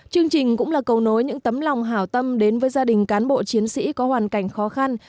chương trình cũng là cầu nối những tấm lòng hảo tâm đến với gia đình cán bộ chiến sĩ có hoàn cảnh khó khăn